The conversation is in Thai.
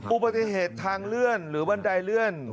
อุบัติเหตุทางเลื่อนหรือบันไดเลื่อน